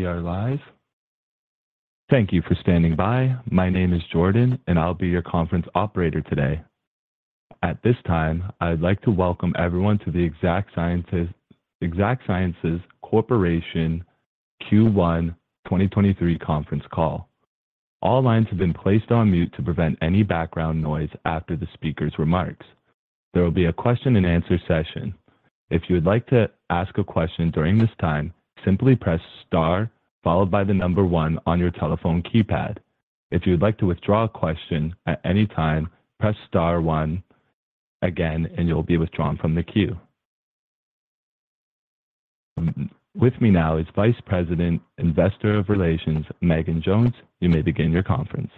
We are live. Thank you for standing by. My name is Jordan, and I'll be your conference operator today. At this time, I'd like to welcome everyone to the Exact Sciences Corporation First Quarter 2023 Conference Call. All lines have been placed on mute to prevent any background noise after the speaker's remarks. There will be a question-and-answer session. If you would like to ask a question during this time, simply press star followed by one on your telephone keypad. If you would like to withdraw a question at any time, press star one again, and you'll be withdrawn from the queue. With me now is Vice President, Investor of Relations, Megan Jones. You may begin your conference.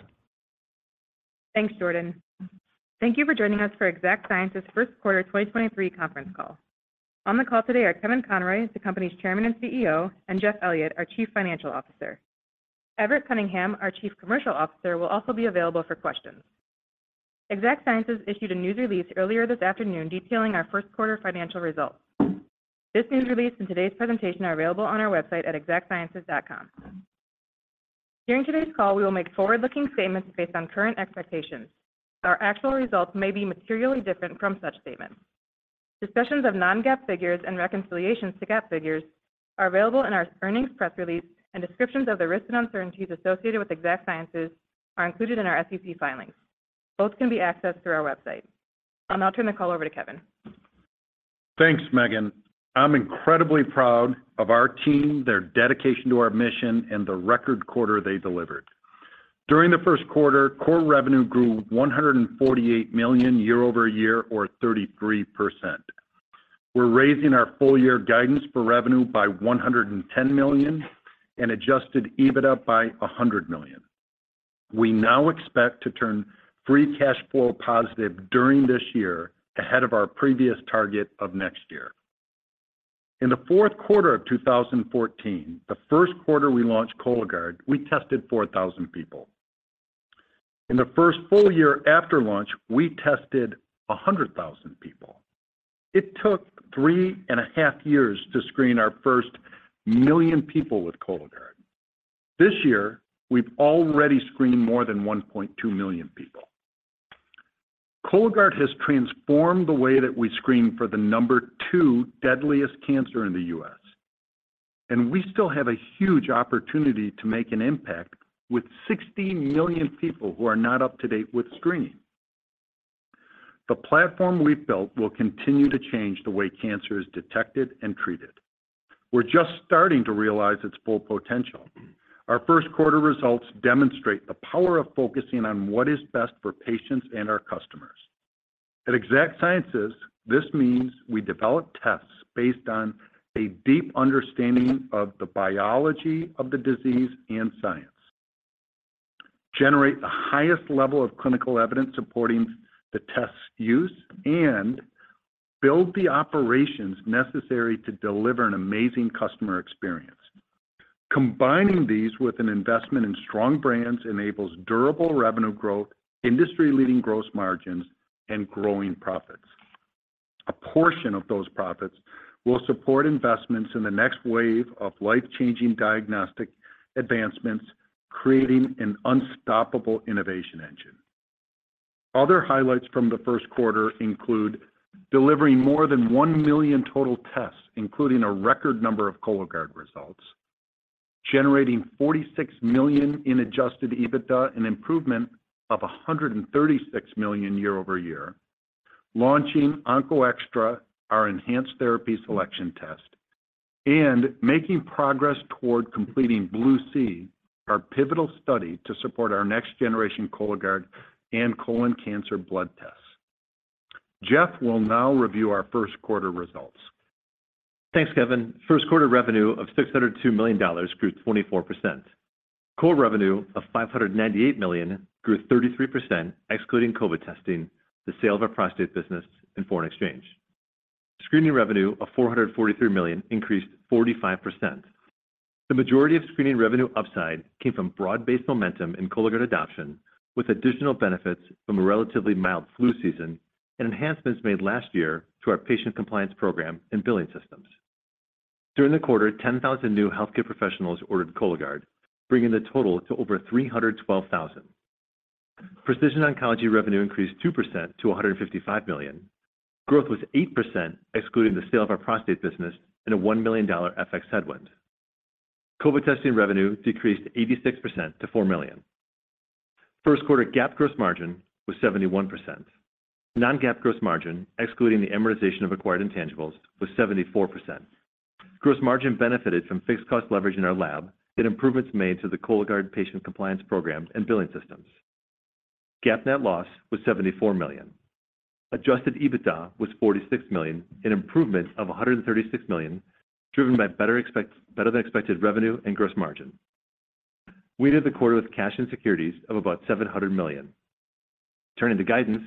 Thanks, Jordan. Thank you for joining us for Exact Sciences' First Quarter 2023 Conference Call. On the call today are Kevin Conroy, the company's Chairman and CEO, and Jeff Elliott, our Chief Financial Officer. Everett Cunningham, our Chief Commercial Officer, will also be available for questions. Exact Sciences issued a news release earlier this afternoon detailing our first quarter financial results. This news release and today's presentation are available on our website at exactsciences.com. During today's call, we will make forward-looking statements based on current expectations. Our actual results may be materially different from such statements. Discussions of non-GAAP figures and reconciliations to GAAP figures are available in our earnings press release, and descriptions of the risks and uncertainties associated with Exact Sciences are included in our SEC filings. Both can be accessed through our website. I'll now turn the call over to Kevin. Thanks, Megan. I'm incredibly proud of our team, their dedication to our mission, and the record quarter they delivered. During the first quarter, core revenue grew $148 million year-over-year, or 33%. We're raising our full year guidance for revenue by $110 million and adjusted EBITDA by $100 million. We now expect to turn free cash flow positive during this year ahead of our previous target of next year. In the fourth quarter of 2014, the first quarter we launched Cologuard, we tested 4,000 people. In the first full year after launch, we tested 100,000 people. It took three and a half years to screen our 1 million people with Cologuard. This year, we've already screened more than 1.2 million people. Cologuard has transformed the way that we screen for the number two deadliest cancer in the U.S. We still have a huge opportunity to make an impact with 60 million people who are not up to date with screening. The platform we've built will continue to change the way cancer is detected and treated. We're just starting to realize its full potential. Our first quarter results demonstrate the power of focusing on what is best for patients and our customers. At Exact Sciences, this means we develop tests based on a deep understanding of the biology of the disease and science, generate the highest level of clinical evidence supporting the test's use, and build the operations necessary to deliver an amazing customer experience. Combining these with an investment in strong brands enables durable revenue growth, industry-leading gross margins, and growing profits. A portion of those profits will support investments in the next wave of life-changing diagnostic advancements, creating an unstoppable innovation engine. Other highlights from the first quarter include delivering more than 1 million total tests, including a record number of Cologuard results, generating $46 million in adjusted EBITDA, an improvement of $136 million year-over-year, launching OncoExTra, our enhanced therapy selection test, and making progress toward completing BLUE-C, our pivotal study to support our next generation Cologuard and colon cancer blood tests. Jeff will now review our first quarter results. Thanks, Kevin. First quarter revenue of $602 million grew 24%. Core revenue of $598 million grew 33%, excluding COVID testing, the sale of our prostate business, and foreign exchange. Screening revenue of $443 million increased 45%. The majority of screening revenue upside came from broad-based momentum in Cologuard adoption with additional benefits from a relatively mild flu season and enhancements made last year to our patient compliance program and billing systems. During the quarter, 10,000 new healthcare professionals ordered Cologuard, bringing the total to over 312,000. Precision Oncology revenue increased 2% to $155 million. Growth was 8%, excluding the sale of our prostate business and a $1 million FX headwind. COVID testing revenue decreased 86% to $4 million. First quarter GAAP gross margin was 71%. Non-GAAP gross margin, excluding the amortization of acquired intangibles, was 74%. Gross margin benefited from fixed cost leverage in our lab and improvements made to the Cologuard patient compliance program and billing systems. GAAP net loss was $74 million. Adjusted EBITDA was $46 million, an improvement of $136 million, driven by better than expected revenue and gross margin. We ended the quarter with cash and securities of about $700 million. Turning to guidance,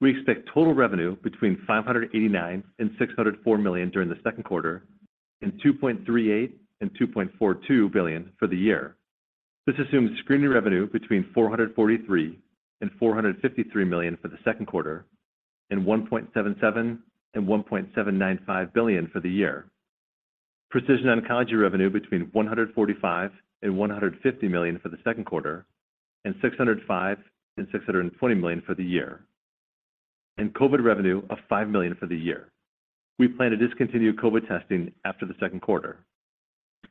we expect total revenue between $589 million and $604 million during the second quarter and $2.38 billion and $2.42 billion for the year. This assumes screening revenue between $443 million and $453 million for the second quarter and $1.77 billion and $1.795 billion for the year. Precision Oncology revenue between $145 million and $150 million for the second quarter and $605 million and $620 million for the year. COVID revenue of $5 million for the year. We plan to discontinue COVID testing after the second quarter.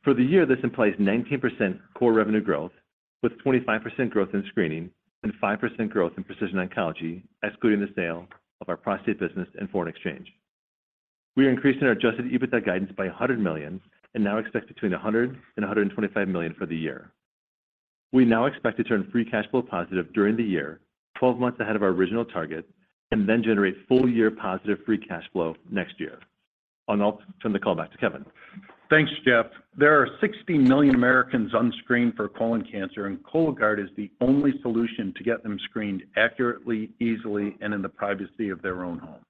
This implies 19% core revenue growth with 25% growth in screening and 5% growth in Precision Oncology, excluding the sale of our prostate business and foreign exchange. We are increasing our adjusted EBITDA guidance by $100 million and now expect between $100 million and $125 million for the year. We now expect to turn free cash flow positive during the year, 12 months ahead of our original target. Generate full year positive free cash flow next year. I'll now turn the call back to Kevin. Thanks, Jeff. There are 60 million Americans unscreened for colon cancer. Cologuard is the only solution to get them screened accurately, easily, and in the privacy of their own home.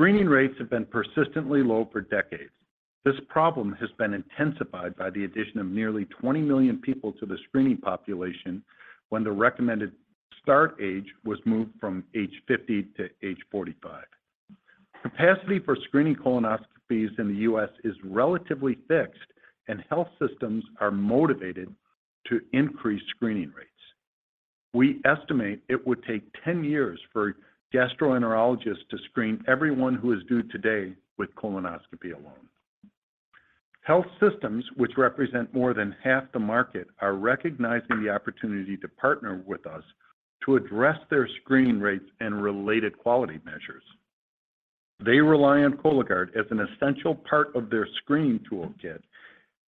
Screening rates have been persistently low for decades. This problem has been intensified by the addition of nearly 20 million people to the screening population when the recommended start age was moved from age 50 to age 45. Capacity for screening colonoscopies in the U.S. is relatively fixed. Health systems are motivated to increase screening rates. We estimate it would take 10 years for gastroenterologists to screen everyone who is due today with colonoscopy alone. Health systems, which represent more than half the market, are recognizing the opportunity to partner with us to address their screening rates and related quality measures. They rely on Cologuard as an essential part of their screening toolkit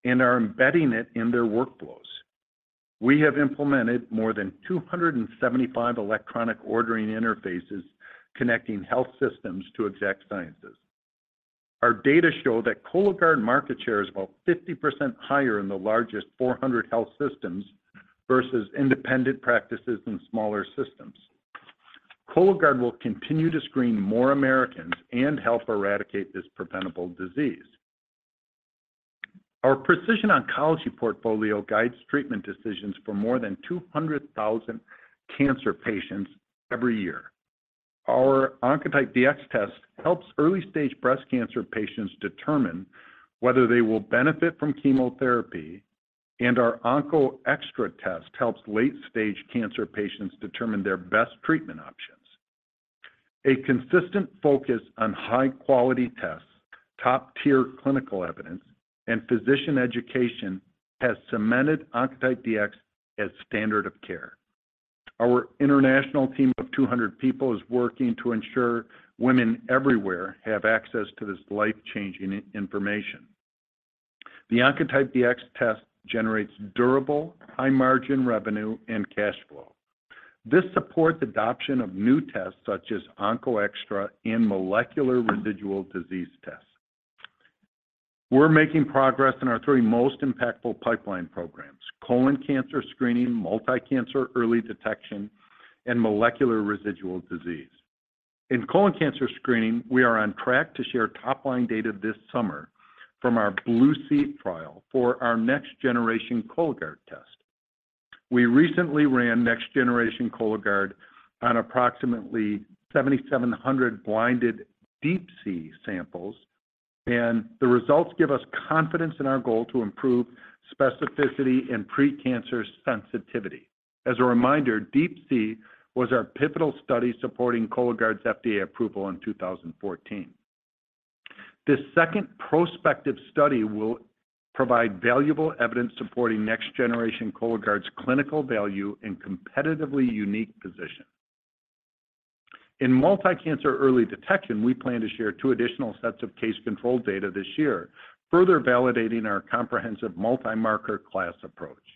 and are embedding it in their workflows. We have implemented more than 275 electronic ordering interfaces connecting health systems to Exact Sciences. Our data show that Cologuard market share is about 50% higher in the largest 400 health systems versus independent practices in smaller systems. Cologuard will continue to screen more Americans and help eradicate this preventable disease. Our precision oncology portfolio guides treatment decisions for more than 200,000 cancer patients every year. Our Oncotype DX test helps early-stage breast cancer patients determine whether they will benefit from chemotherapy, and our OncoExTra test helps late-stage cancer patients determine their best treatment options. A consistent focus on high-quality tests, top-tier clinical evidence, and physician education has cemented Oncotype DX as standard of care. Our international team of 200 people is working to ensure women everywhere have access to this life-changing information. The Oncotype DX test generates durable high-margin revenue and cash flow. This supports adoption of new tests such as OncoExTra in molecular residual disease tests. We're making progress in our three most impactful pipeline programs: colon cancer screening, multi-cancer early detection, and molecular residual disease. In colon cancer screening, we are on track to share top-line data this summer from our BLUE-C trial for our next-generation Cologuard test. We recently ran next-generation Cologuard on approximately 7,700 blinded DeeP-C samples. The results give us confidence in our goal to improve specificity and precancer sensitivity. As a reminder, DeeP-C was our pivotal study supporting Cologuard's FDA approval in 2014. This second prospective study will provide valuable evidence supporting next generation Cologuard's clinical value and competitively unique position. In multi-cancer early detection, we plan to share two additional sets of case-controlled data this year, further validating our comprehensive multi-marker class approach.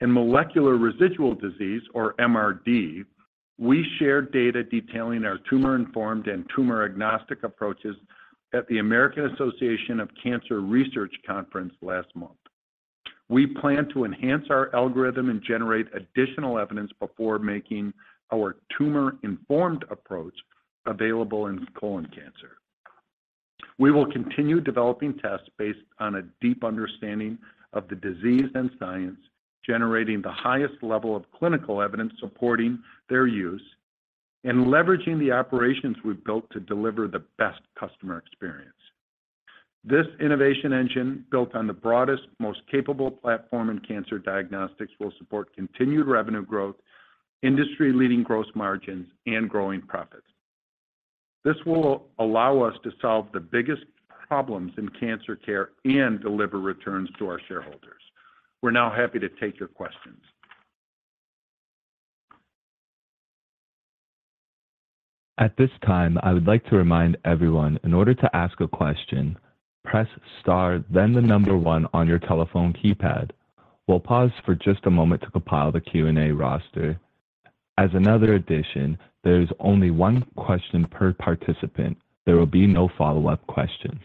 In molecular residual disease or MRD, we shared data detailing our tumor-informed and tumor-agnostic approaches at the American Association for Cancer Research Conference last month. We plan to enhance our algorithm and generate additional evidence before making our tumor-informed approach available in colon cancer. We will continue developing tests based on a deep understanding of the disease and science, generating the highest level of clinical evidence supporting their use, and leveraging the operations we've built to deliver the best customer experience. This innovation engine, built on the broadest, most capable platform in cancer diagnostics, will support continued revenue growth, industry-leading gross margins, and growing profits. This will allow us to solve the biggest problems in cancer care and deliver returns to our shareholders. We're now happy to take your questions. At this time, I would like to remind everyone, in order to ask a question, press star then one on your telephone keypad. We'll pause for just a moment to compile the Q&A roster. As another addition, there is only one question per participant. There will be no follow-up questions.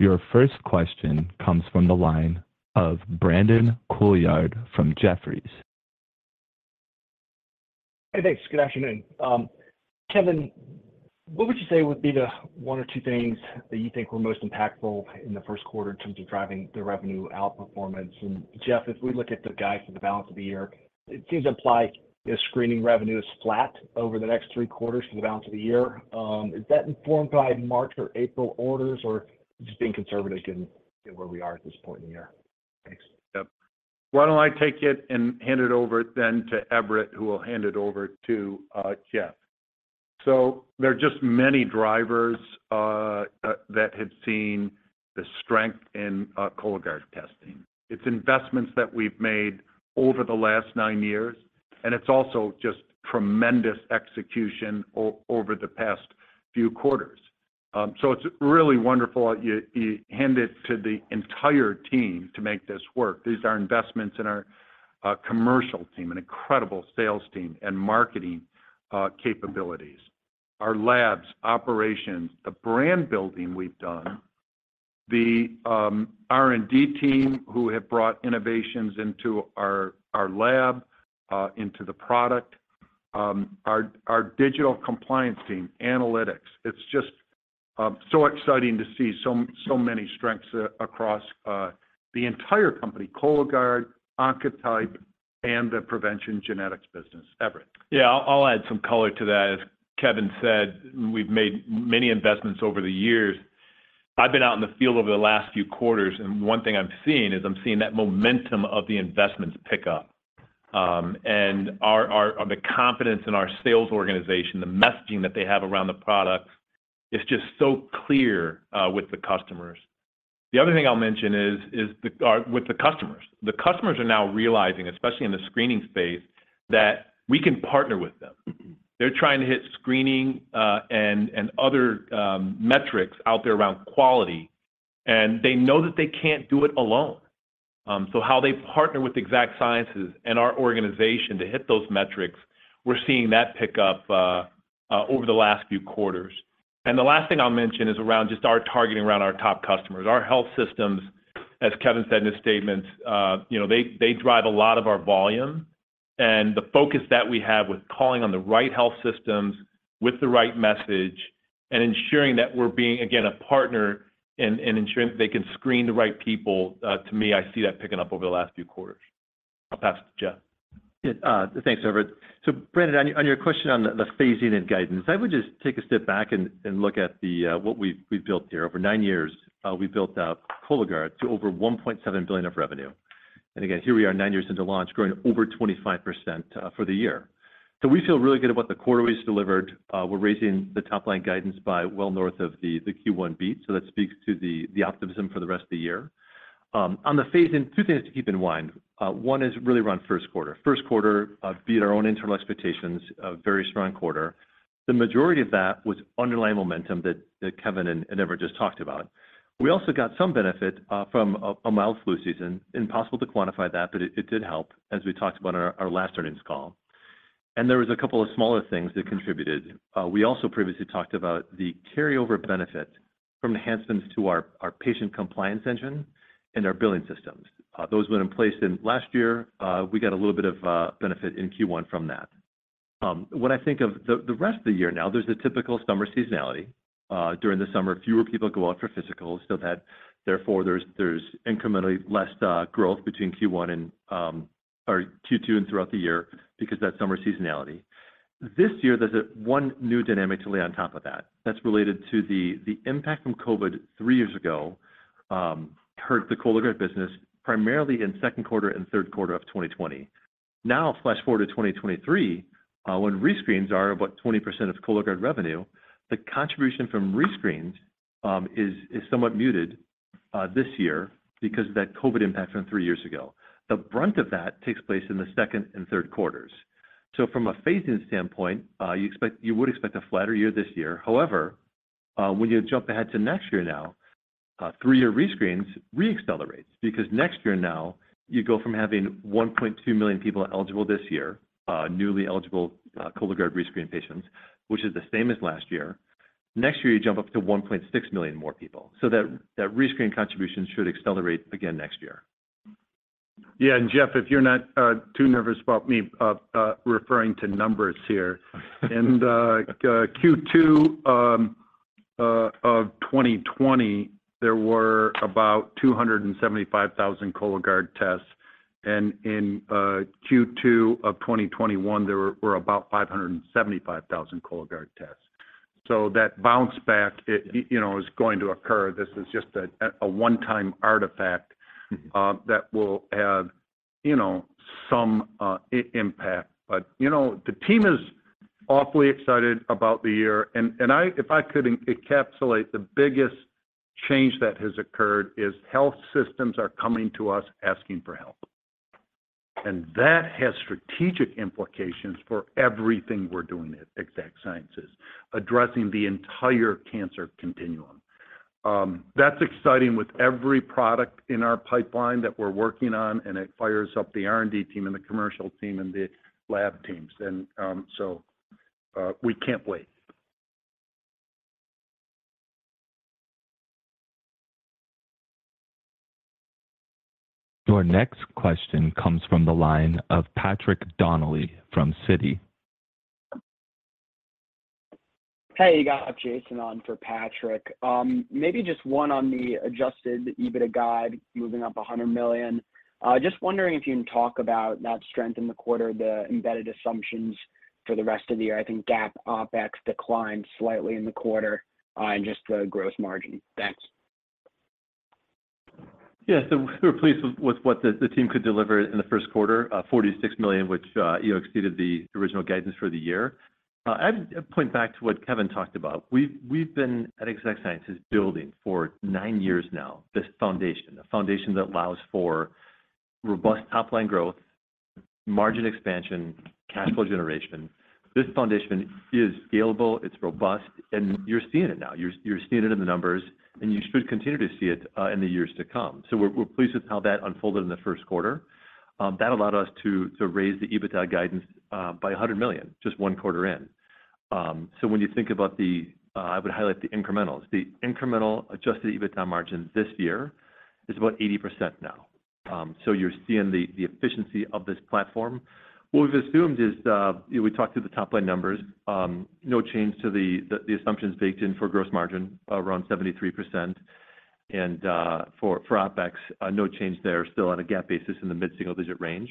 Your first question comes from the line of Brandon Couillard from Jefferies. Hey, thanks. Good afternoon. Kevin, what would you say would be the one or two things that you think were most impactful in the first quarter in terms of driving the revenue outperformance? Jeff, as we look at the guide for the balance of the year, it seems implied your screening revenue is flat over the next three quarters for the balance of the year. Is that informed by March or April orders or just being conservative given where we are at this point in the year? Thanks. Yep. Why don't I take it and hand it over then to Everett, who will hand it over to Jeff. There are just many drivers that have seen the strength in Cologuard testing. It's investments that we've made over the last nine years, and it's also just tremendous execution over the past few quarters. It's really wonderful. You hand it to the entire team to make this work. These are investments in our commercial team, an incredible sales team and marketing capabilities. Our labs, operations, the brand building we've done, the R&D team who have brought innovations into our lab, into the product, our digital compliance team, analytics. It's just so exciting to see so many strengths across the entire company, Cologuard, Oncotype, and the PreventionGenetics business. Everett. Yeah, I'll add some color to that. As Kevin said, we've made many investments over the years. I've been out in the field over the last few quarters, and one thing I'm seeing that momentum of the investments pick up. The confidence in our sales organization, the messaging that they have around the products is just so clear with the customers. The other thing I'll mention is the or with the customers. The customers are now realizing, especially in the screening space, that we can partner with them. They're trying to hit screening, and other metrics out there around quality, and they know that they can't do it alone. How they partner with Exact Sciences and our organization to hit those metrics, we're seeing that pick up over the last few quarters. The last thing I'll mention is around just our targeting around our top customers. Our health systems, as Kevin said in his statement, you know, they drive a lot of our volume. The focus that we have with calling on the right health systems with the right message and ensuring that we're being, again, a partner in ensuring that they can screen the right people, to me, I see that picking up over the last few quarters. I'll pass it to Jeff. Yeah. Thanks, Everett. Brandon, on your question on the phasing and guidance, I would just take a step back and look at what we've built here. Over nine years, we've built out Cologuard to over $1.7 billion of revenue. Again, here we are nine years into launch growing over 25% for the year. We feel really good about the quarter we just delivered. We're raising the top-line guidance by well north of the Q1 beat, that speaks to the optimism for the rest of the year. On the phasing, two things to keep in mind. One is really around first quarter. First quarter beat our own internal expectations, a very strong quarter. The majority of that was underlying momentum that Kevin and Everett just talked about. We also got some benefit from a mild flu season. Impossible to quantify that, but it did help, as we talked about on our last earnings call. There was a couple of smaller things that contributed. We also previously talked about the carryover benefit from enhancements to our patient compliance engine and our billing systems. Those went in place last year, we got a little bit of benefit in Q1 from that. When I think of the rest of the year now, there's a typical summer seasonality. During the summer, fewer people go out for physicals, so that therefore there's incrementally less growth between Q1 and or Q2 and throughout the year because of that summer seasonality. This year, there's one new dynamic to lay on top of that. That's related to the impact from COVID three years ago, hurt the Cologuard business primarily in second quarter and third quarter of 2020. Flash forward to 2023, when rescreens are about 20% of Cologuard revenue, the contribution from rescreens is somewhat muted this year because of that COVID impact from three years ago. The brunt of that takes place in the second and third quarters. From a phasing standpoint, you would expect a flatter year this year. When you jump ahead to next year now, three-year rescreens re-accelerates because next year now you go from having 1.2 million people eligible this year, newly eligible Cologuard rescreen patients, which is the same as last year. Next year, you jump up to 1.6 million more people. That rescreen contribution should accelerate again next year. Yeah. Jeff, if you're not too nervous about me referring to numbers here. In Q2 of 2020, there were about 275,000 Cologuard tests. In Q2 of 2021, there were about 575,000 Cologuard tests. That bounce back, it, you know, is going to occur. This is just a one-time artifact- that will have, you know, some impact. You know, the team is awfully excited about the year. If I could encapsulate the biggest change that has occurred is health systems are coming to us asking for help. That has strategic implications for everything we're doing at Exact Sciences, addressing the entire cancer continuum. That's exciting with every product in our pipeline that we're working on, and it fires up the R&D team and the commercial team and the lab teams. We can't wait. Your next question comes from the line of Patrick Donnelly from Citi. Hey, you got Jason on for Patrick. Maybe just one on the adjusted EBITDA guide moving up $100 million. Just wondering if you can talk about that strength in the quarter, the embedded assumptions for the rest of the year. I think GAAP OpEx declined slightly in the quarter. Just the gross margin. Thanks. We're pleased with what the team could deliver in the first quarter, $46 million, which, you know, exceeded the original guidance for the year. I'd point back to what Kevin talked about. We've been at Exact Sciences building for nine years now, this foundation. A foundation that allows for robust top line growth, margin expansion, cash flow generation. This foundation is scalable, it's robust, and you're seeing it now. You're seeing it in the numbers, and you should continue to see it in the years to come. We're pleased with how that unfolded in the first quarter. That allowed us to raise the EBITDA guidance by $100 million, just 1 quarter in. When you think about the, I would highlight the incrementals. The incremental adjusted EBITDA margin this year is about 80% now. You're seeing the efficiency of this platform. What we've assumed is, you know, we talked through the top line numbers. No change to the assumptions baked in for gross margin, around 73%. For OpEx, no change there, still on a GAAP basis in the mid-single-digit range.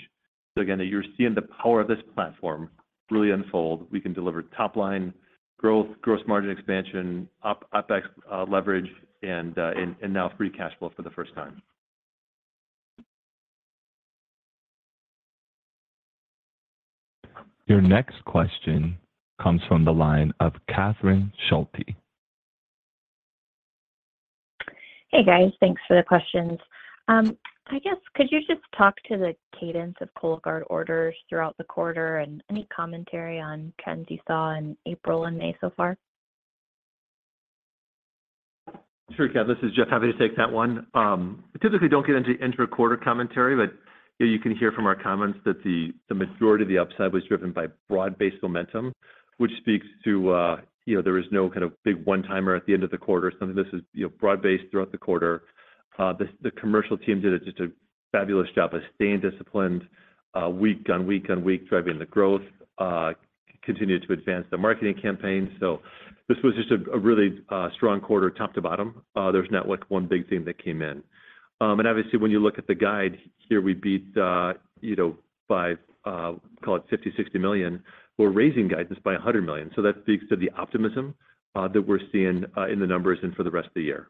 Again, you're seeing the power of this platform really unfold. We can deliver top line growth, gross margin expansion, OpEx leverage, and now free cash flow for the first time. Your next question comes from the line of Catherine Schulte. Hey, guys. Thanks for the questions. I guess could you just talk to the cadence of Cologuard orders throughout the quarter and any commentary on trends you saw in April and May so far? Sure, Kat. This is Jeff. Happy to take that one. We typically don't get into intra-quarter commentary, you know, you can hear from our comments that the majority of the upside was driven by broad-based momentum, which speaks to, you know, there is no kind of big one-timer at the end of the quarter. Some of this is, you know, broad-based throughout the quarter. The commercial team did just a fabulous job of staying disciplined, week on week on week, driving the growth, continued to advance the marketing campaign. This was just a really strong quarter top to bottom. There's not like one big thing that came in. Obviously when you look at the guide here, we beat, you know, by call it $50 million-$60 million. We're raising guidance by $100 million. That speaks to the optimism, that we're seeing, in the numbers and for the rest of the year.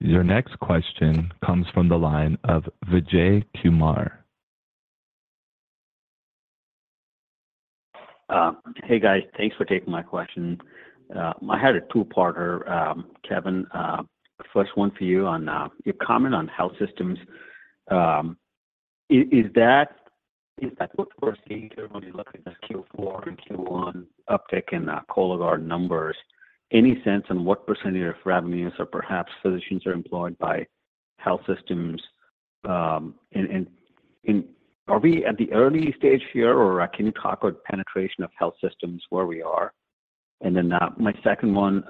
Your next question comes from the line of Vijay Kumar. Hey, guys. Thanks for taking my question. I had a two-parter, Kevin. First one for you on your comment on health systems. Is that what we're seeing when we look at this Q4 and Q1 uptick in Cologuard numbers? Any sense on what percentage of revenues or perhaps physicians are employed by health systems? Are we at the early stage here or can you talk about penetration of health systems where we are? My second one,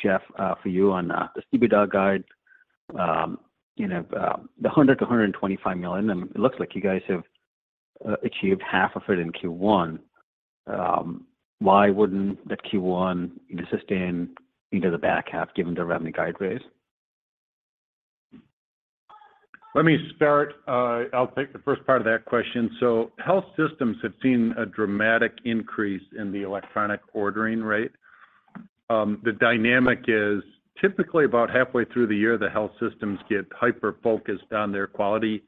Jeff, for you on the EBITDA guide. You know, the $100 million-$125 million, and it looks like you guys have achieved half of it in Q1. Why wouldn't that Q1 sustain into the back half given the revenue guide raise? Let me start. I'll take the first part of that question. Health systems have seen a dramatic increase in the electronic ordering rate. The dynamic is typically about halfway through the year, the health systems get hyper-focused on their quality,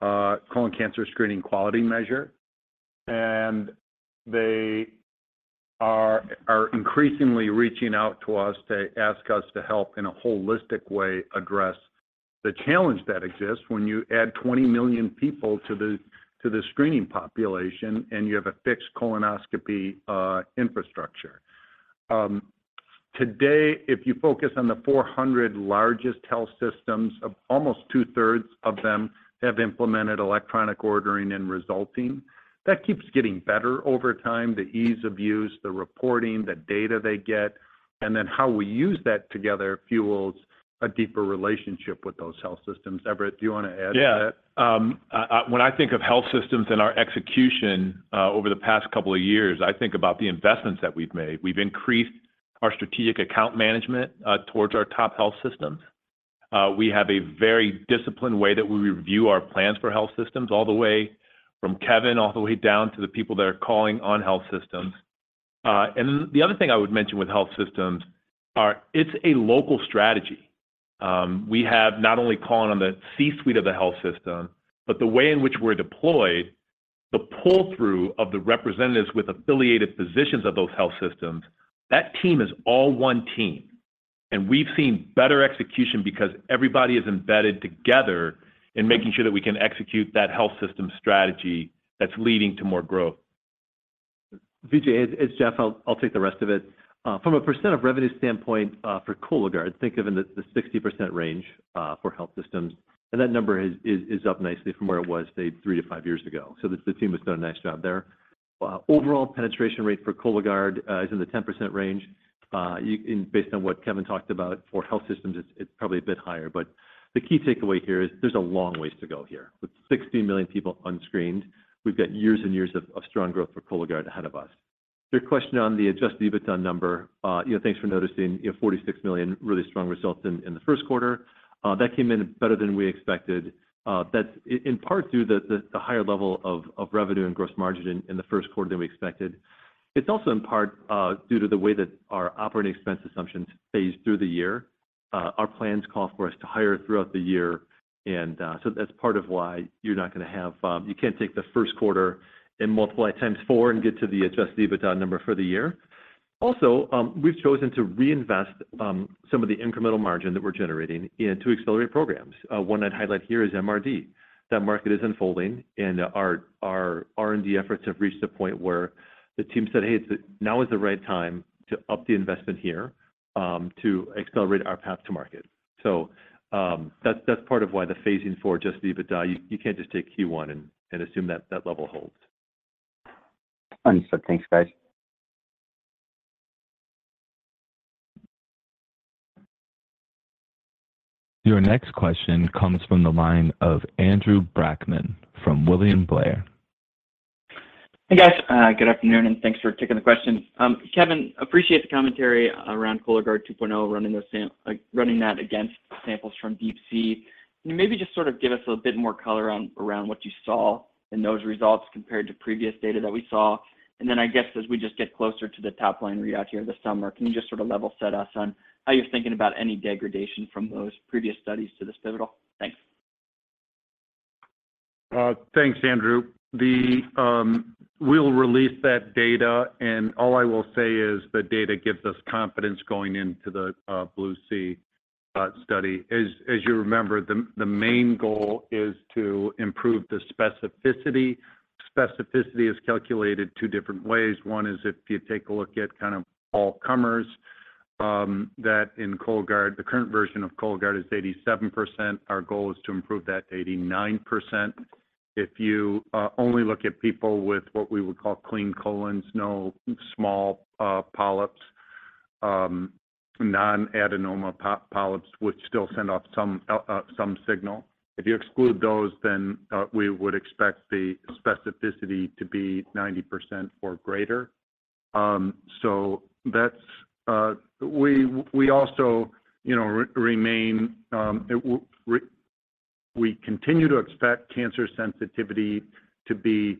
colon cancer screening quality measure. They are increasingly reaching out to us to ask us to help in a holistic way address the challenge that exists when you add 20 million people to the, to the screening population and you have a fixed colonoscopy infrastructure. Today, if you focus on the 400 largest health systems of almost two-thirds of them have implemented electronic ordering and resulting. That keeps getting better over time, the ease of use, the reporting, the data they get, and then how we use that together fuels a deeper relationship with those health systems. Everett, do you want to add to that? Yeah. When I think of health systems and our execution over the past couple of years, I think about the investments that we've made. We've increased our strategic account management towards our top health systems. We have a very disciplined way that we review our plans for health systems, all the way from Kevin, all the way down to the people that are calling on health systems. The other thing I would mention with health systems are it's a local strategy. We have not only calling on the C-suite of the health system, but the way in which we're deployed, the pull-through of the representatives with affiliated positions of those health systems, that team is all one team. We've seen better execution because everybody is embedded together in making sure that we can execute that health system strategy that's leading to more growth. Vijay, it's Jeff. I'll take the rest of it. From a % of revenue standpoint, for Cologuard, think of in the 60% range for health systems, and that number is up nicely from where it was say three to five years ago. The team has done a nice job there. Overall penetration rate for Cologuard is in the 10% range. In based on what Kevin talked about for health systems, it's probably a bit higher. The key takeaway here is there's a long ways to go here. With 60 million people unscreened, we've got years and years of strong growth for Cologuard ahead of us. Your question on the adjusted EBITDA number, you know, thanks for noticing. You know, $46 million really strong results in the first quarter. That came in better than we expected. That's in part due to the higher level of revenue and gross margin in the first quarter than we expected. It's also in part due to the way that our operating expense assumptions phase through the year. Our plans call for us to hire throughout the year. That's part of why you're not going to have, you can't take the first quarter and multiply it 4x and get to the adjusted EBITDA number for the year. Also, we've chosen to reinvest some of the incremental margin that we're generating into accelerate programs. One I'd highlight here is MRD. That market is unfolding and our R&D efforts have reached a point where the team said, "Hey, now is the right time to up the investment here to accelerate our path to market." That's part of why the phasing for adjusted EBITDA, you can't just take Q1 and assume that that level holds. Understood. Thanks, guys. Your next question comes from the line of Andrew Brackmann from William Blair. Hey, guys. Good afternoon, thanks for taking the question. Kevin Conroy, appreciate the commentary around Cologuard 2.0 running that against samples from DeeP-C. Can you maybe just sort of give us a bit more color on around what you saw in those results compared to previous data that we saw? I guess as we just get closer to the top line readout here this summer, can you just sort of level set us on how you're thinking about any degradation from those previous studies to this pivotal? Thanks. Thanks, Andrew. We'll release that data, and all I will say is the data gives us confidence going into the BLUE-C study. As you remember, the main goal is to improve the specificity. Specificity is calculated two different ways. One is if you take a look at kind of all comers, that in Cologuard, the current version of Cologuard is 87%. Our goal is to improve that to 89%. If you only look at people with what we would call clean colons, no small polyps, non-adenoma polyps which still send off some signal. If you exclude those, then we would expect the specificity to be 90% or greater. So that's. We also, you know, remain, we continue to expect cancer sensitivity to be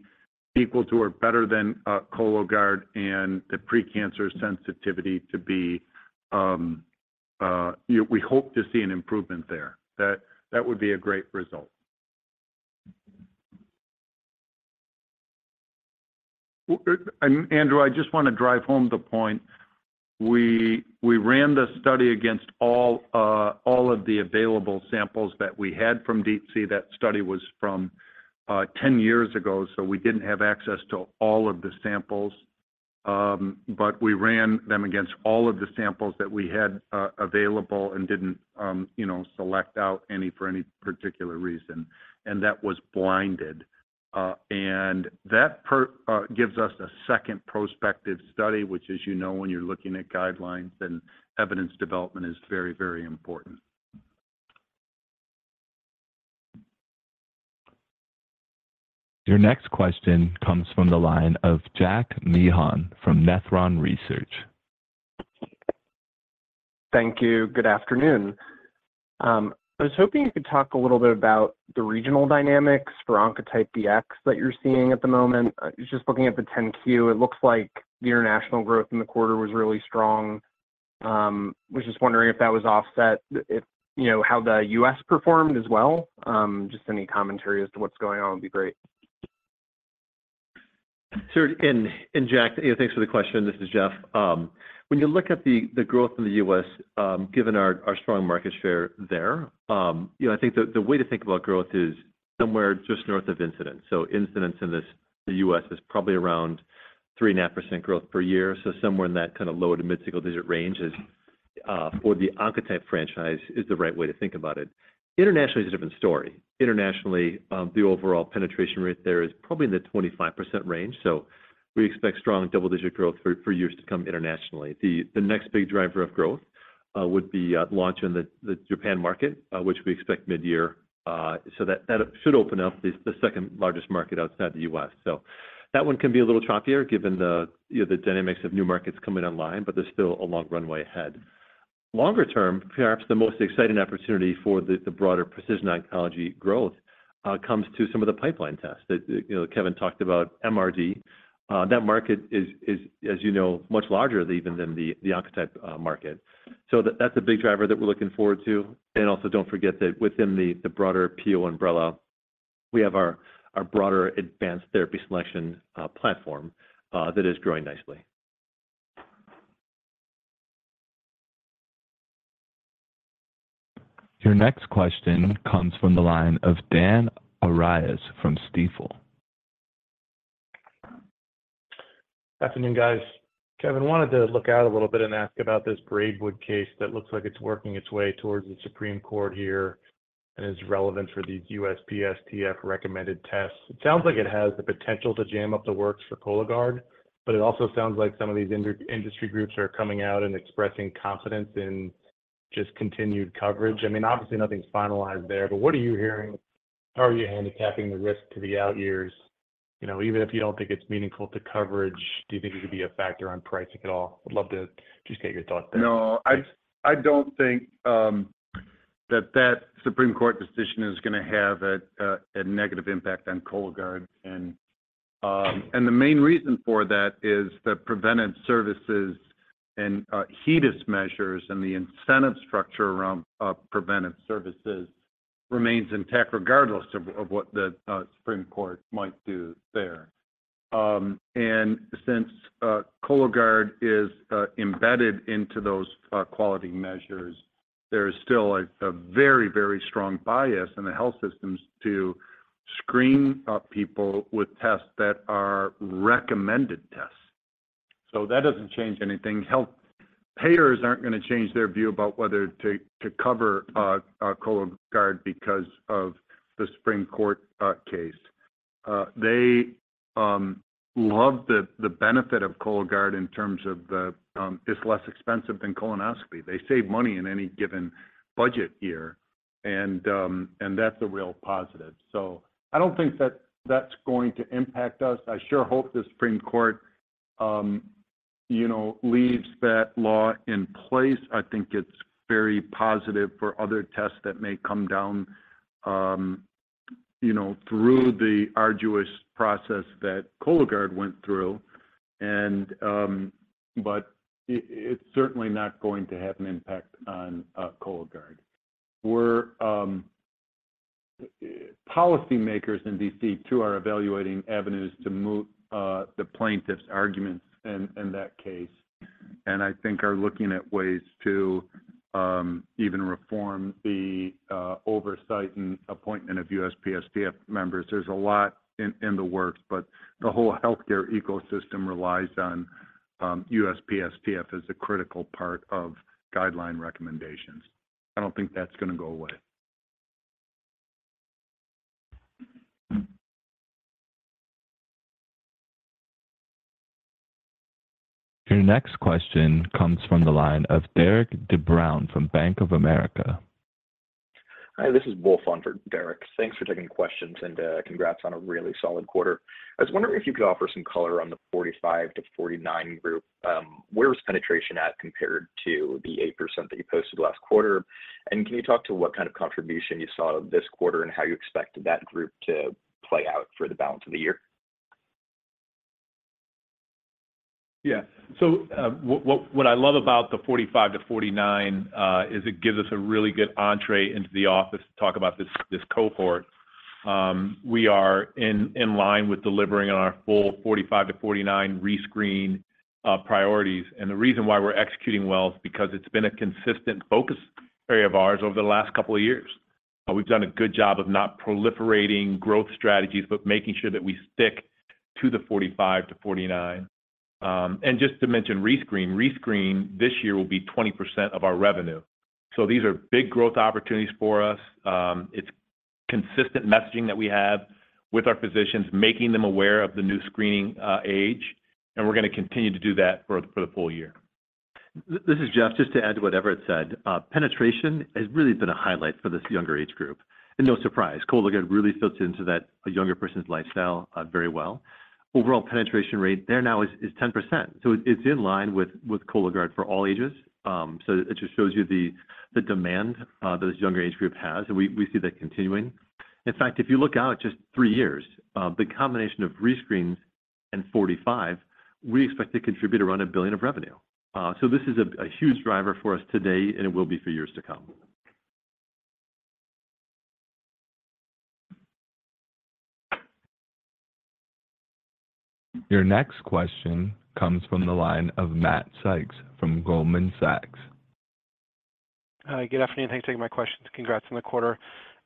equal to or better than Cologuard and the pre-cancer sensitivity to be, you know, we hope to see an improvement there. That would be a great result. Andrew, I just want to drive home the point. We ran the study against all of the available samples that we had from DeeP-C. That study was from 10 years ago, so we didn't have access to all of the samples. We ran them against all of the samples that we had available and didn't, you know, select out any for any particular reason. That was blinded. That gives us a second prospective study, which as you know, when you're looking at guidelines and evidence development is very, very important. Your next question comes from the line of Jack Meehan from Nephron Research. Thank you. Good afternoon. I was hoping you could talk a little bit about the regional dynamics for Oncotype DX that you're seeing at the moment. Just looking at the 10-Q, it looks like the international growth in the quarter was really strong. Was just wondering if that was offset if, you know, how the U.S. performed as well. Just any commentary as to what's going on would be great. Sure. Jack, you know, thanks for the question. This is Jeff. When you look at the growth in the U.S., given our strong market share there, you know, I think the way to think about growth is somewhere just north of incidence. Incidence in this, the U.S. is probably around 3.5% growth per year. Somewhere in that kind of low to mid-single digit range is for the Oncotype franchise is the right way to think about it. Internationally is a different story. Internationally, the overall penetration rate there is probably in the 25% range. We expect strong double-digit growth for years to come internationally. The next big driver of growth would be launch in the Japan market, which we expect mid-year. That should open up the second largest market outside the U.S. That one can be a little choppier given the, you know, the dynamics of new markets coming online, but there's still a long runway ahead. Longer term, perhaps the most exciting opportunity for the broader Precision Oncology growth comes to some of the pipeline tests that, you know, Kevin talked about MRD. That market is, as you know, much larger even than the Oncotype market. That's a big driver that we're looking forward to. Also don't forget that within the broader PO umbrella, we have our broader advanced therapy selection platform that is growing nicely. Your next question comes from the line of Dan Arias from Stifel. Afternoon, guys. Kevin, wanted to look out a little bit and ask about this Braidwood case that looks like it's working its way towards the Supreme Court here and is relevant for these USPSTF recommended tests. It sounds like it has the potential to jam up the works for Cologuard, but it also sounds like some of these industry groups are coming out and expressing confidence in just continued coverage. I mean, obviously nothing's finalized there, but what are you hearing? How are you handicapping the risk to the out years? You know, even if you don't think it's meaningful to coverage, do you think it could be a factor on pricing at all? Would love to just get your thoughts there. No, I don't think that Supreme Court decision is going to have a negative impact on Cologuard. The main reason for that is the preventive services and HEDIS measures and the incentive structure around preventive services remains intact regardless of what the Supreme Court might do there. Since Cologuard is embedded into those quality measures, there is still a very strong bias in the health systems to screen people with tests that are recommended tests. That doesn't change anything. Health payers aren't going to change their view about whether to cover Cologuard because of the Supreme Court case. They love the benefit of Cologuard in terms of it's less expensive than colonoscopy. They save money in any given budget year, and that's a real positive. I don't think that that's going to impact us. I sure hope the Supreme Court, you know, leaves that law in place. I think it's very positive for other tests that may come down, you know, through the arduous process that Cologuard went through. It's certainly not going to have an impact on Cologuard. Policy makers in D.C. too are evaluating avenues to moot the plaintiff's arguments in that case, and I think are looking at ways to even reform the oversight and appointment of USPSTF members. There's a lot in the works, the whole healthcare ecosystem relies on USPSTF as a critical part of guideline recommendations. I don't think that's going to go away. Your next question comes from the line of Derik De Bruin from Bank of America. Hi, this is Will phoned for Derik. Thanks for taking questions, and congrats on a really solid quarter. I was wondering if you could offer some color on the 45 to 49 group. Where is penetration at compared to the 8% that you posted last quarter? Can you talk to what kind of contribution you saw this quarter and how you expect that group to play out for the balance of the year? What I love about the 45 to 49 is it gives us a really good entrée into the office to talk about this cohort. We are in line with delivering on our full 45 to 49 rescreen priorities. The reason why we're executing well is because it's been a consistent focus area of ours over the last couple of years. We've done a good job of not proliferating growth strategies, but making sure that we stick to the 45 to 49. Just to mention rescreen. Rescreen this year will be 20% of our revenue. These are big growth opportunities for us. It's consistent messaging that we have with our physicians, making them aware of the new screening age, and we're going to continue to do that for the full year. This is Jeff. Just to add to what Everett said, penetration has really been a highlight for this younger age group. No surprise, Cologuard really fits into that, a younger person's lifestyle, very well. Overall penetration rate there now is 10%, so it's in line with Cologuard for all ages. It just shows you the demand that this younger age group has, and we see that continuing. In fact, if you look out just three years, the combination of rescreens and 45, we expect to contribute around $1 billion of revenue. This is a huge driver for us today, and it will be for years to come. Your next question comes from the line of Matt Sykes from Goldman Sachs. Good afternoon. Thanks for taking my questions. Congrats on the quarter.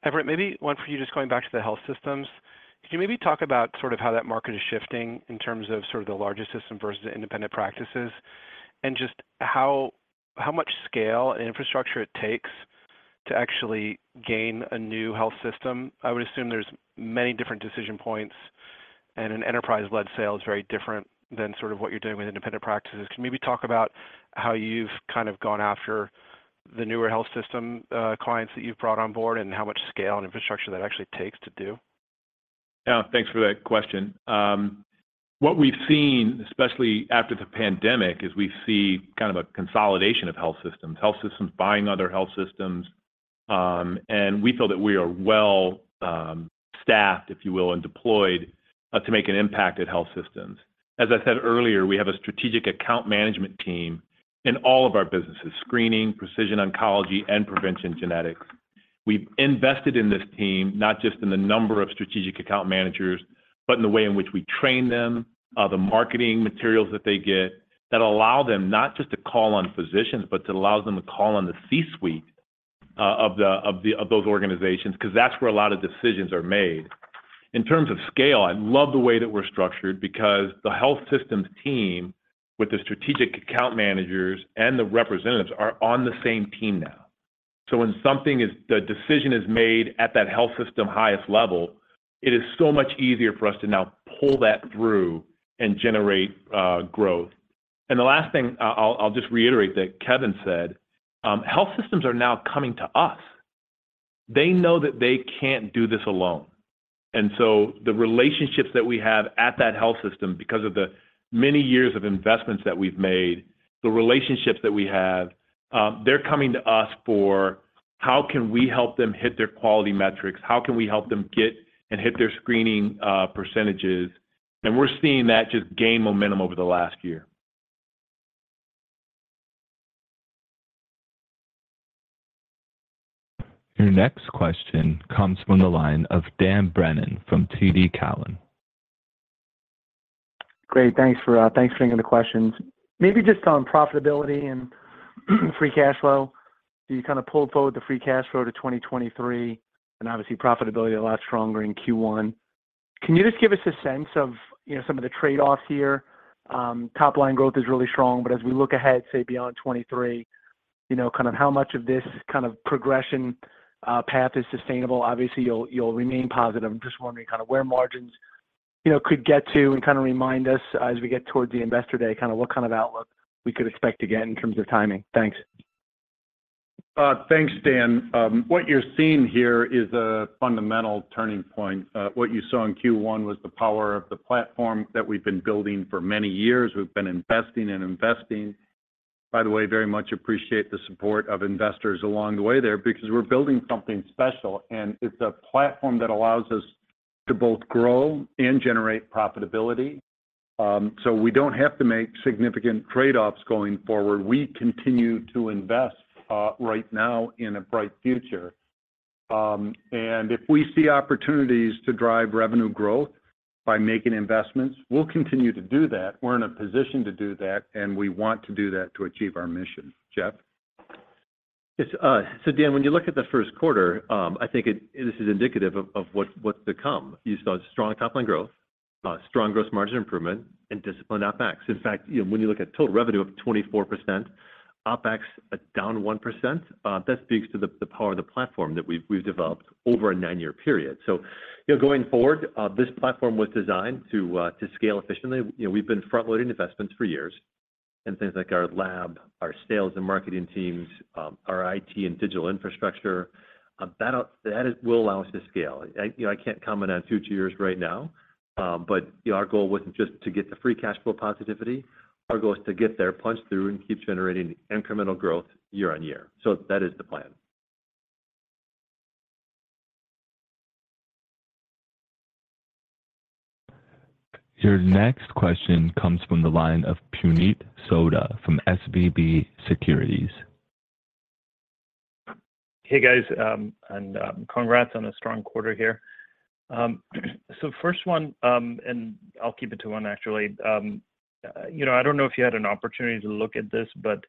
Everett, maybe one for you, just going back to the health systems. Could you maybe talk about sort of how that market is shifting in terms of sort of the larger system versus the independent practices? Just how much scale and infrastructure it takes to actually gain a new health system? I would assume there's many different decision points, and an enterprise-led sale is very different than sort of what you're doing with independent practices. Can you maybe talk about how you've kind of gone after the newer health system clients that you've brought on board and how much scale and infrastructure that actually takes to do? Yeah. Thanks for that question. What we've seen, especially after the pandemic, is we see kind of a consolidation of health systems. Health systems buying other health systems. We feel that we are well staffed, if you will, and deployed to make an impact at health systems. As I said earlier, we have a strategic account management team in all of our businesses: screening, Precision Oncology, and PreventionGenetics. We've invested in this team, not just in the number of strategic account managers, but in the way in which we train them, the marketing materials that allow them not just to call on physicians, but it allows them to call on the C-suite of those organizations, because that's where a lot of decisions are made. In terms of scale, I love the way that we're structured because the health systems team with the strategic account managers and the representatives are on the same team now. When a decision is made at that health system highest level, it is so much easier for us to now pull that through and generate growth. The last thing I'll just reiterate that Kevin said, health systems are now coming to us. They know that they can't do this alone. The relationships that we have at that health system, because of the many years of investments that we've made, the relationships that we have, they're coming to us for how can we help them hit their quality metrics? How can we help them get and hit their screening percentages? We're seeing that just gain momentum over the last year. Your next question comes from the line of Dan Brennan from TD Cowen. Great. Thanks for, thanks for taking the questions. Maybe just on profitability and free cash flow. You kind of pulled forward the free cash flow to 2023. Obviously profitability a lot stronger in Q1. Can you just give us a sense of, you know, some of the trade-offs here? Top line growth is really strong, as we look ahead, say beyond 2023, you know, kind of how much of this kind of progression, path is sustainable? Obviously, you'll remain positive. I'm just wondering kind of where margins, you know, could get to and kind of remind us as we get towards the Investor Day, kind of what kind of outlook we could expect to get in terms of timing. Thanks. Thanks, Dan. What you're seeing here is a fundamental turning point. What you saw in Q1 was the power of the platform that we've been building for many years. We've been investing. By the way, very much appreciate the support of investors along the way there because we're building something special, and it's a platform that allows us to both grow and generate profitability. We don't have to make significant trade-offs going forward. We continue to invest right now in a bright future. If we see opportunities to drive revenue growth by making investments, we'll continue to do that. We're in a position to do that, and we want to do that to achieve our mission. Jeff? Yes. Dan, when you look at the first quarter, I think this is indicative of what's to come. You saw strong top line growth, strong gross margin improvement and disciplined OpEx. In fact, you know, when you look at total revenue of 24%, OpEx down 1%, that speaks to the power of the platform that we've developed over a nine-year period. You know, going forward, this platform was designed to scale efficiently. You know, we've been front-loading investments for years in things like our lab, our sales and marketing teams, our IT and digital infrastructure, that will allow us to scale. I can't comment on future years right now, but, you know, our goal wasn't just to get the free cash flow positivity. Our goal is to get there, punch through, and keep generating incremental growth year on year. That is the plan. Your next question comes from the line of Puneet Souda from SVB Securities. Hey, guys, and congrats on a strong quarter here. First one, and I'll keep it to one, actually. You know, I don't know if you had an opportunity to look at this, but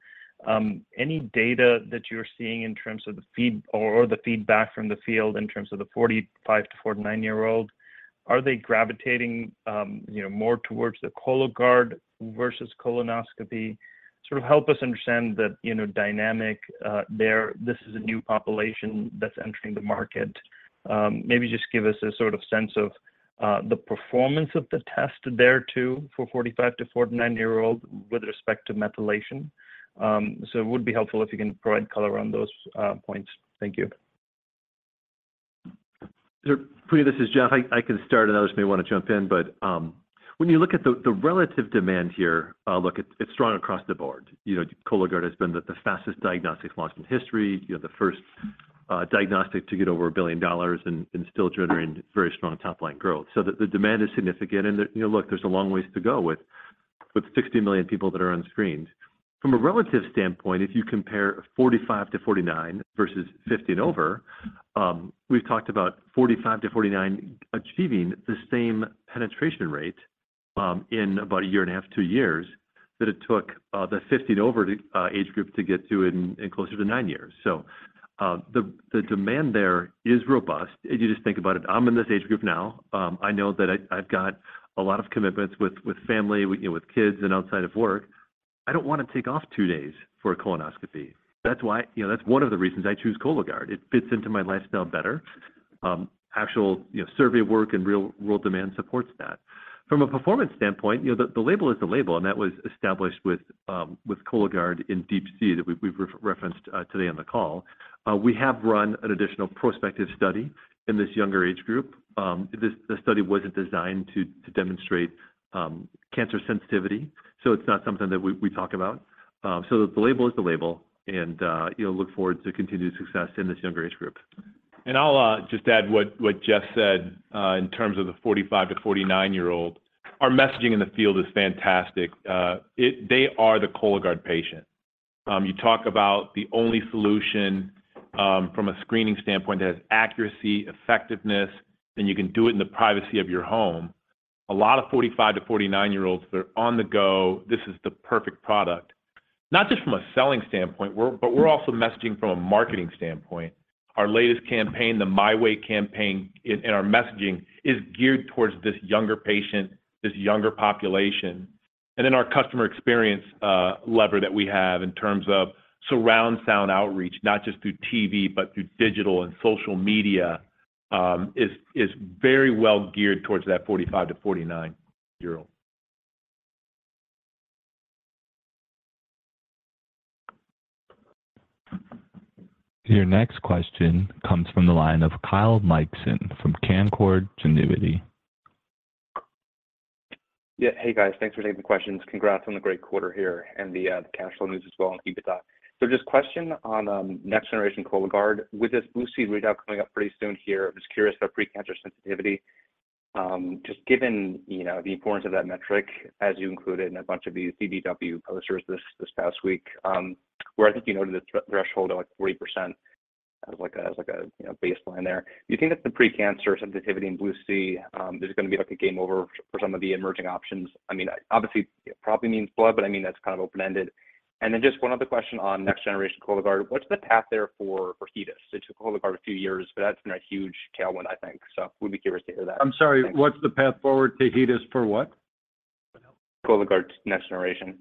any data that you're seeing in terms of the feed or the feedback from the field in terms of the 45 to 49-year-olds, are they gravitating, you know, more towards the Cologuard versus colonoscopy? Sort of help us understand the, you know, dynamic there. This is a new population that's entering the market. Maybe just give us a sort of sense of the performance of the test there too, for 45 to 49-year-olds with respect to methylation. It would be helpful if you can provide color on those points. Thank you. Sure. Puneet, this is Jeff. I can start, and others may want to jump in. When you look at the relative demand here, look, it's strong across the board. You know, Cologuard has been the fastest diagnostics launch in history, you know, the first diagnostic to get over $1 billion and still generating very strong top-line growth. The demand is significant. You know, look, there's a long ways to go with 60 million people that are unscreened. From a relative standpoint, if you compare 45 to 49 versus 50 and over, we've talked about 45 to 49 achieving the same penetration rate in about one and a half years, two years, that it took the 50 and over age group to get to in closer to nine years. The demand there is robust. If you just think about it, I'm in this age group now. I know that I've got a lot of commitments with family, you know, with kids and outside of work. I don't want to take off two days for a colonoscopy. That's why. You know, that's one of the reasons I choose Cologuard. It fits into my lifestyle better. Actual, you know, survey work and real-world demand supports that. From a performance standpoint, you know, the label is the label, and that was established with Cologuard in DeeP-C that we've referenced today on the call. We have run an additional prospective study in this younger age group. The study wasn't designed to demonstrate cancer sensitivity, so it's not something that we talk about. The label is the label and, you know, look forward to continued success in this younger age group. I'll just add what Jeff said in terms of the 45 to 49-year-olds. Our messaging in the field is fantastic. They are the Cologuard patient. You talk about the only solution from a screening standpoint that has accuracy, effectiveness, you can do it in the privacy of your home. A lot of 45 to 49-year-olds, they're on the go. This is the perfect product, not just from a selling standpoint, but we're also messaging from a marketing standpoint. Our latest campaign, the MyWay campaign, and our messaging is geared towards this younger patient, this younger population. Our customer experience lever that we have in terms of surround sound outreach, not just through TV, but through digital and social media, is very well geared towards that 45 to 49-year-old. Your next question comes from the line of Kyle Mikson from Canaccord Genuity. Yeah. Hey, guys. Thanks for taking the questions. Congrats on the great quarter here and the cash flow news as well on EBITDA. Just question on next generation Cologuard. With this BlueC readout coming up pretty soon here, I'm just curious about precancer sensitivity. Just given, you know, the importance of that metric as you include it in a bunch of these DDW posters this past week, where I think you noted a threshold of, like, 40% as like a, as like a, you know, baseline there. Do you think that the precancer sensitivity in BlueC is going to be like a game over for some of the emerging options? I mean, obviously, it probably means blood, but I mean, that's kind of open-ended. Just one other question on next generation Cologuard. What's the path there for HEDIS? It took Cologuard a few years, but that's been a huge tailwind, I think. Would be curious to hear that. I'm sorry, what's the path forward to HEDIS for what? Cologuard's next generation.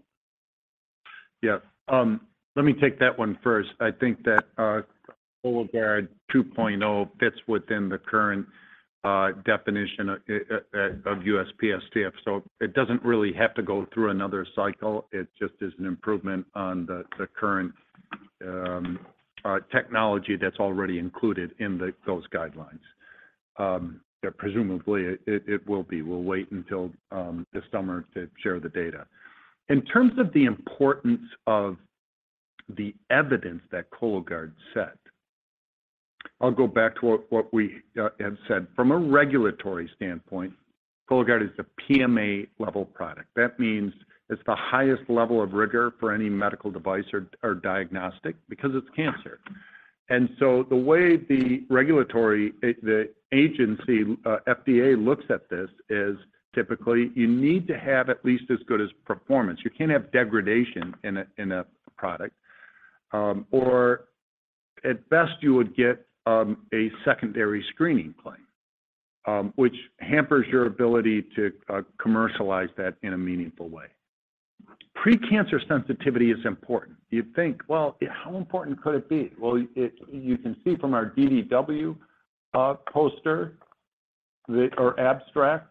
Yeah. Let me take that one first. I think that Cologuard 2.0 fits within the current definition of USPSTF. It doesn't really have to go through another cycle. It just is an improvement on the current technology that's already included in those guidelines. Presumably, it will be. We'll wait until this summer to share the data. In terms of the importance of the evidence that Cologuard set, I'll go back to what we have said. From a regulatory standpoint, Cologuard is a PMA-level product. That means it's the highest level of rigor for any medical device or diagnostic because it's cancer. The way the regulatory the agency FDA looks at this is typically you need to have at least as good as performance. You can't have degradation in a, in a product. Or at best, you would get a secondary screening claim, which hampers your ability to commercialize that in a meaningful way. Precancer sensitivity is important. You think, well, how important could it be? Well, you can see from our DDW poster or abstract,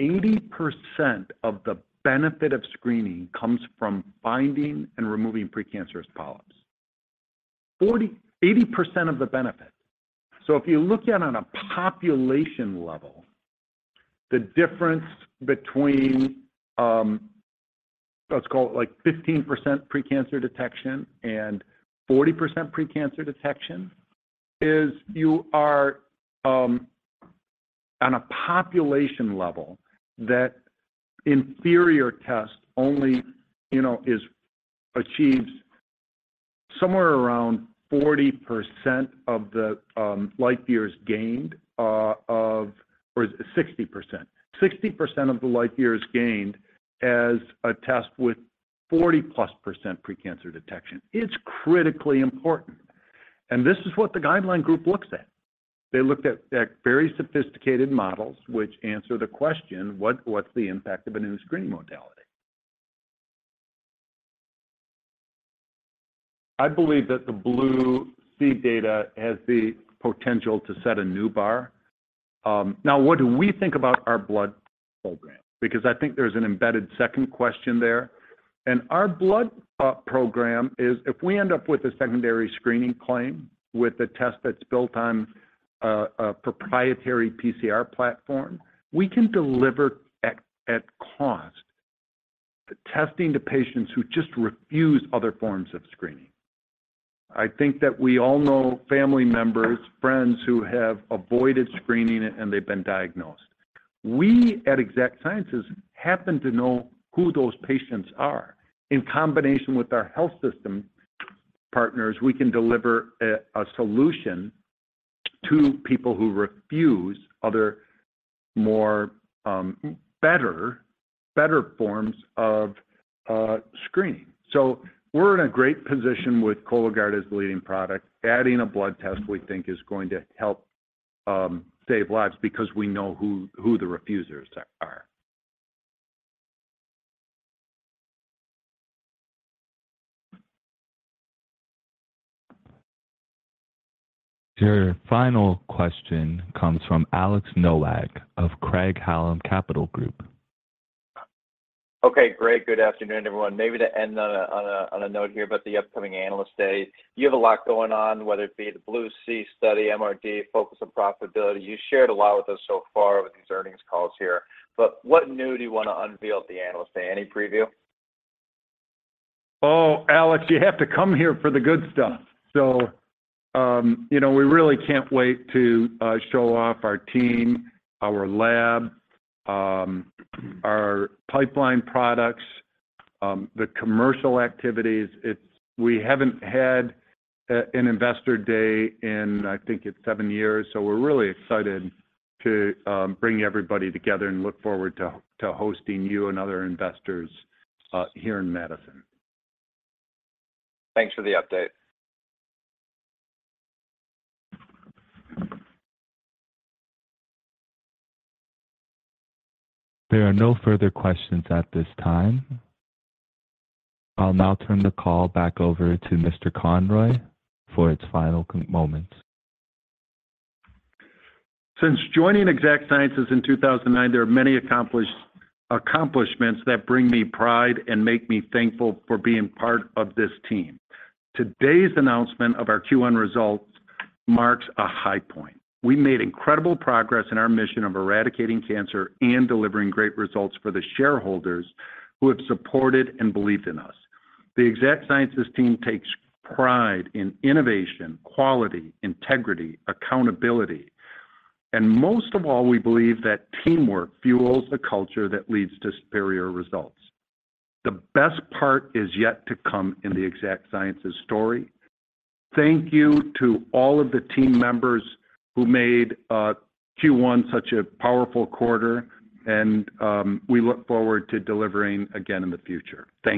80% of the benefit of screening comes from finding and removing precancerous polyps. 80% of the benefit. If you look at on a population level, the difference between, let's call it, like, 15% precancer detection and 40% precancer detection is you are, on a population level, that inferior test only, you know, achieves somewhere around 40% of the life years gained of 60%. 60% of the life years gained as a test with +40% precancer detection. It's critically important. This is what the guideline group looks at. They looked at very sophisticated models which answer the question, what's the impact of a new screening modality? I believe that the BLUE-C data has the potential to set a new bar. Now, what do we think about our blood program? Because I think there's an embedded second question there. Our blood program is if we end up with a secondary screening claim with a test that's built on a proprietary PCR platform, we can deliver at cost testing to patients who just refuse other forms of screening. I think that we all know family members, friends who have avoided screening and they've been diagnosed. We, at Exact Sciences, happen to know who those patients are. In combination with our health system partners, we can deliver a solution to people who refuse other, more, better forms of screening. We're in a great position with Cologuard as the leading product. Adding a blood test, we think, is going to help save lives because we know who the refusers are. Your final question comes from Alex Nowak of Craig-Hallum Capital Group. Okay, great. Good afternoon, everyone. Maybe to end on a note here about the upcoming Analyst Day. You have a lot going on, whether it be the BLUE-C study, MRD, focus on profitability. You shared a lot with us so far with these earnings calls here. What new do you want to unveil at the Analyst Day? Any preview? Oh, Alex, you have to come here for the good stuff. You know, we really can't wait to show off our team, our lab, our pipeline products, the commercial activities. We haven't had an investor day in, I think it's seven years, so we're really excited to bring everybody together and look forward to hosting you and other investors here in Madison. Thanks for the update. There are no further questions at this time. I'll now turn the call back over to Mr. Conroy for its final moment. Since joining Exact Sciences in 2009, there are many accomplishments that bring me pride and make me thankful for being part of this team. Today's announcement of our Q1 results marks a high point. We made incredible progress in our mission of eradicating cancer and delivering great results for the shareholders who have supported and believed in us. The Exact Sciences team takes pride in innovation, quality, integrity, accountability, and most of all, we believe that teamwork fuels the culture that leads to superior results. The best part is yet to come in the Exact Sciences story. Thank you to all of the team members who made Q1 such a powerful quarter, and we look forward to delivering again in the future. Thank you